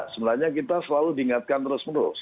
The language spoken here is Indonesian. sebenarnya kita selalu diingatkan terus menerus